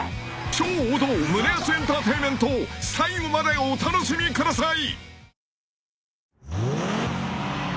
［超王道胸アツエンターテインメントを最後までお楽しみください］